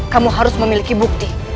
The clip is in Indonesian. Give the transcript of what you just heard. kamu harus memiliki bukti